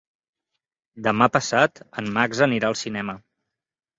Demà passat en Max anirà al cinema.